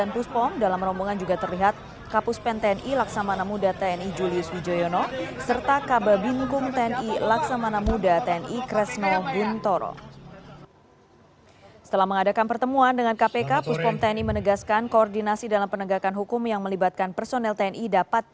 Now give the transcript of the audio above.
pertanyaan kedua untuk marsjah h a